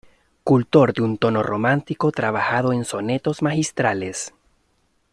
Cultor de un tono romántico trabajado en sonetos magistrales.